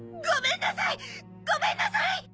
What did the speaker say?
ごめんなさい！